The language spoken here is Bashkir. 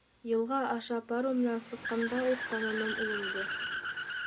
Йылға аша паром менән сыҡҡанда уҡ таныным улымды.